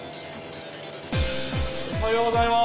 おはようございます。